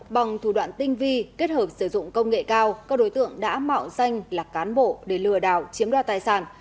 bằng thủ đoạn tinh vi kết hợp sử dụng công nghệ cao các đối tượng đã mạo danh là cán bộ để lừa đảo chiếm đoạt tài sản